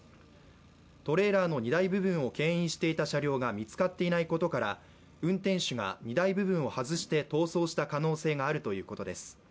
トレーラーの荷台部分をけん引していた車両が見つかっていないことから運転手が荷台部分を外して逃走した可能性があるということです。